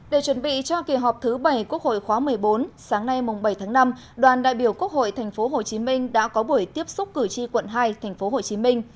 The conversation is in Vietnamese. để chuẩn bị cho kỳ họp thứ bảy quốc hội khóa một mươi bốn sáng nay bảy tháng năm đoàn đại biểu quốc hội tp hcm đã có buổi tiếp xúc cử tri quận hai tp hcm